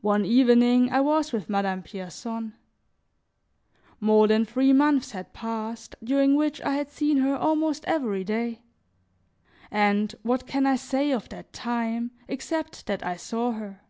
One evening I was with Madame Pierson. More than three months had passed, during which I had seen her almost every day; and what can I say of that time except that I saw her?